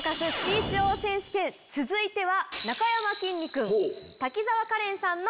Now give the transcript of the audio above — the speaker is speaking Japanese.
続いては。